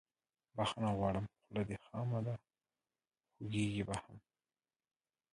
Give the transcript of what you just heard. بخښنه غواړم خوله دې خامه ده خوږیږي به هم